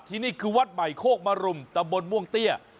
ที่นี่คือวัดใหม่โฆกมารุมตะบนม่วงเตี้ย